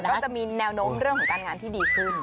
ก็จะมีแนวโน้มเรื่องของการงานที่ดีขึ้น